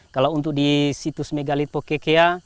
kalau untuk di situs megalith pokekea